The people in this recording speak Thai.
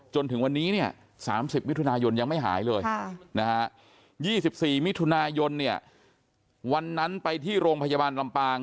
จนถึงวันนี้เนี่ย๓๐มิถุนายนยังไม่หายเลย๒๔มิถุนายนเนี่ยวันนั้นไปที่โรงพยาบาลลำปาง